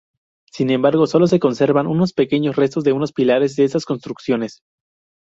Sin embargo, sólo se conservaban unos pequeños restos de unos pilares de estas construcciones.